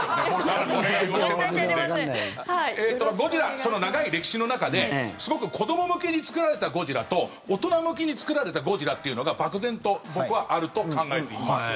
その長い歴史の中ですごく子ども向けに作られたゴジラと大人向けに作られたゴジラっていうのが漠然と僕はあると考えています。